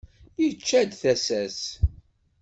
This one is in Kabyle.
Yečča-d tasa-s.